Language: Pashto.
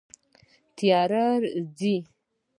تیاره ځي